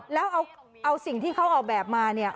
แล้วเอาสิ่งที่เขาเอาแบบมาเนี่ย